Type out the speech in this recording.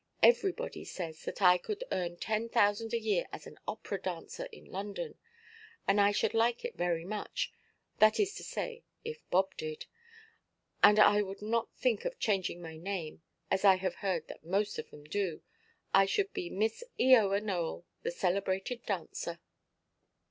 Everybody says that I could earn ten thousand a year as an opera–dancer in London. And I should like it very much,—that is to say, if Bob did. And I would not think of changing my name, as I have heard that most of them do. I should be 'Miss Eoa Nowell, the celebrated dancer.